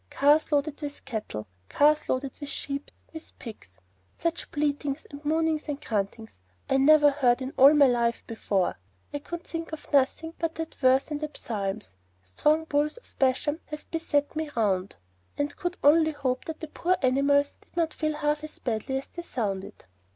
Cars loaded with cattle, cars loaded with sheep, with pigs! Such bleatings and mooings and gruntings, I never heard in all my life before. I could think of nothing but that verse in the Psalms, 'Strong bulls of Bashan have beset me round,' and could only hope that the poor animals did not feel half as badly as they sounded.